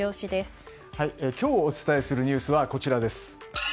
今日お伝えするニュースはこちらです。